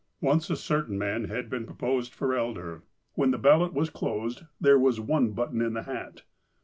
Once a certain man had been proposed for elder. When the ballot was closed, there was one button in the hat.